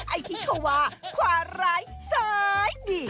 ไอ้ทิควาขวานไร้ซ้ายดิ